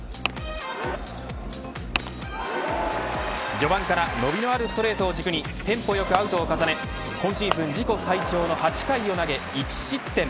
序盤から伸びのあるストレートを軸に、テンポ良くアウトを重ね今シーズン自己最長の８回を投げ１失点。